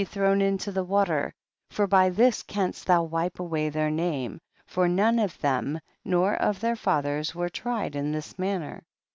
thrown into the water, for by this canst thou wipe away their name, for none of them, nor of their fathers, were* tried in this manner.